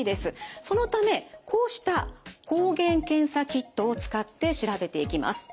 そのためこうした抗原検査キットを使って調べていきます。